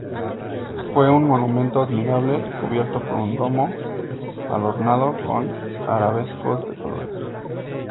Fue un "monumento admirable" cubierto por un domo, adornado con arabescos de colores impactantes.